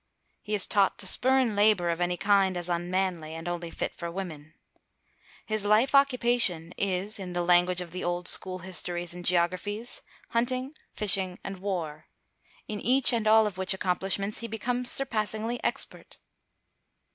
He is taught to spurn labor of any kind as unmanly, and only fit for women. His life occupation is, in the language of the old school histories and geographies, "hunting, fishing and war," in each and all of which accomplishments he becomes surpassingly expert.